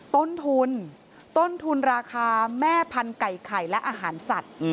ต้นทุนต้นทุนราคาแม่พันธุ์ไก่ไข่และอาหารสัตว์